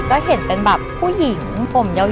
ก็เห็นเป็นแบบผู้หญิงผมยาว